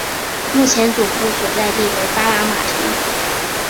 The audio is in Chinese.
目前总部所在地为巴拿马城。